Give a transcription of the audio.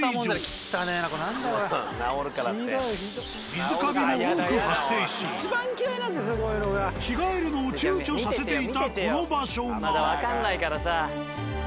水カビも多く発生し着替えるのを躊躇させていたこの場所が。